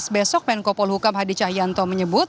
besok menko polhukam hadi cahyanto menyebut